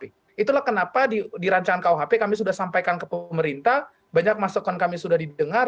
itulah kenapa di rancangan kuhp kami sudah sampaikan ke pemerintah banyak masukan kami sudah didengar